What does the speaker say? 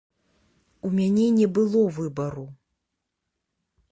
У мяне не было выбару.